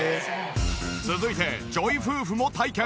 続いてＪＯＹ夫婦も体験。